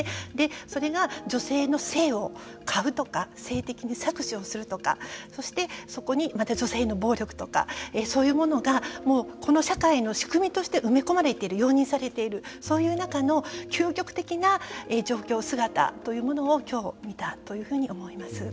それが女性の性を買うとか性的に搾取をするとかそしてそこにまた女性の暴力とかそういうものがこの社会の仕組みとして埋め込まれている容認されているそういう中の究極的な状況、姿というのをきょう見たというふうに思います。